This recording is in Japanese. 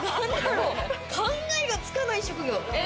考えがつかない職業。